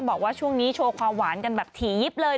บอกว่าช่วงนี้โชว์ความหวานกันแบบถี่ยิบเลย